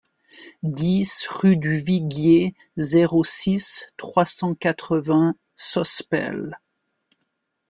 dix rue du Viguier, zéro six, trois cent quatre-vingts Sospel